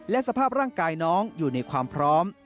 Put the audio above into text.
และสภาพร่างกายน้องอยู่ในความพร้อม